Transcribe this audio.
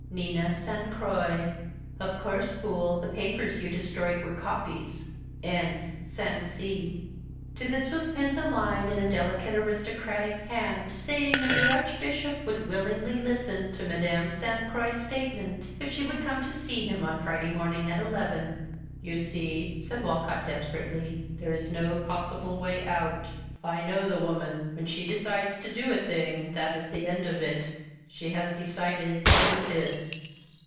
" Nina San Croix. " Of course, fool, the papers you destroyed were copies. " N. San C." To this was pinned a line in a delicate aristocratic hand, saying that the Archbishop would willingly listen to Madam San Croix's statement if she would come to him on Friday morning at eleven. " You see," said Walcott, desperately, " there is no pos 78 Melville Davisson Post sible way out. I know the woman — when she decides to do a thing that is the end of it. She has decided to do this."